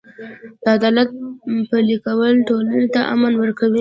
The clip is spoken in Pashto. د عدالت پلي کول ټولنې ته امن ورکوي.